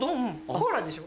コーラでしょ？